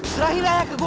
serahi raya ke gua